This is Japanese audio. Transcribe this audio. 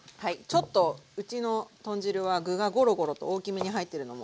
ちょっとうちの豚汁は具がゴロゴロと大きめに入ってるのも。